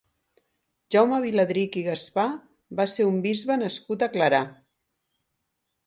Jaume Viladrich i Gaspar va ser un bisbe nascut a Clarà.